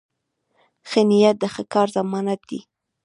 ښه نیت د ښه کار ضمانت دی.